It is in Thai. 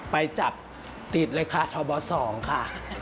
ไปจับติดเลยค่ะทบ๒ค่ะ